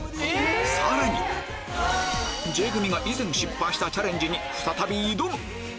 さらに Ｊ 組が以前失敗したチャレンジに再び挑む